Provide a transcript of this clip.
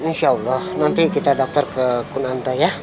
insya allah nanti kita daftar ke kunanta ya